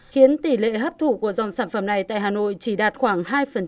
khiến tỷ lệ hấp thụ của dòng sản phẩm này tại hà nội chỉ đạt khoảng hai